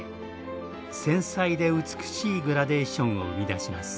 繊細で美しいグラデーションを生み出します。